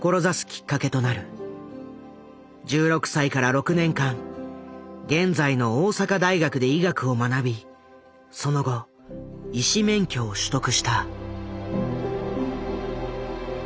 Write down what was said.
１６歳から６年間現在の大阪大学で医学を学びその後医師免許を取得した。